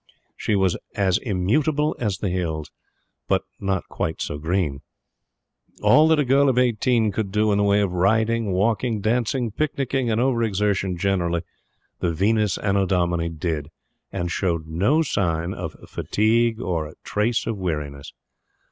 She was as immutable as the Hills. But not quite so green. All that a girl of eighteen could do in the way of riding, walking, dancing, picnicking and over exertion generally, the Venus Annodomini did, and showed no sign of fatigue or trace of weariness.